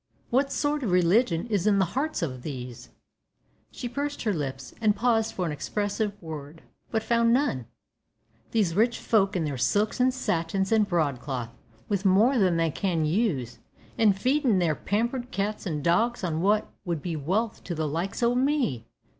What sort of religion is in the hearts of these," (she pursed her lips, and paused for an expressive word, but found none), "these rich folk in their silks and satins and broadcloth, with more than they can use, an' feedin' their pampered cats and dogs on what would be wealth to the likes o' me!